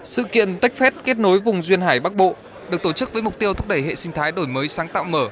sự kiện techfest kết nối vùng duyên hải bắc bộ được tổ chức với mục tiêu thúc đẩy hệ sinh thái đổi mới sáng tạo mở